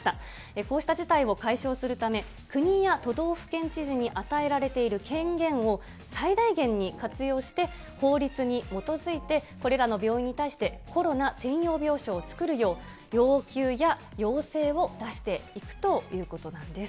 こうした事態を解消するため、国や都道府県知事に与えられている権限を最大限に活用して、法律に基づいてこれらの病院に対してコロナ専用病床を作るよう要求や要請を出していくということなんです。